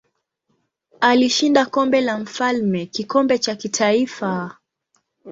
Alishinda Kombe la Mfalme kikombe cha kitaifa.